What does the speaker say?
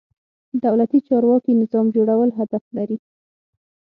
دولتي چارواکي نظام جوړول هدف لري.